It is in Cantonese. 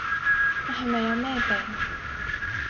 我係咪有咩病？